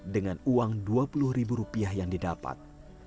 dengan uang dua puluh ribu rupiah yang didapat